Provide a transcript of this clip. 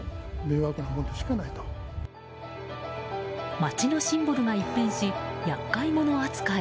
街のシンボルが一変し厄介者扱い。